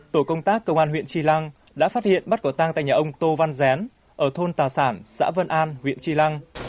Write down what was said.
tổ công tác công an huyện tri lăng đã phát hiện bắt quả tang tại nhà ông tô văn rén ở thôn tà sản xã vân an huyện tri lăng